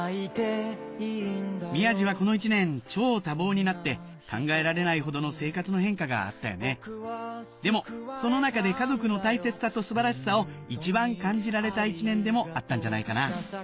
宮治はこの１年超多忙になって考えられないほどの生活の変化があったよねでもその中で家族の大切さと素晴らしさを一番感じられた１年でもあったんじゃないかな